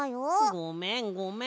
ごめんごめん！